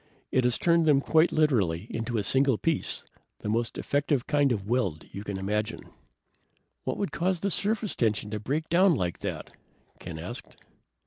It has turned them quite literally into a single piece, the most effective kind of weld you can imagine." "What would cause the surface tension to break down like that?" Ken asked.